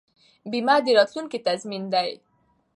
بیمه د راتلونکي تضمین دی.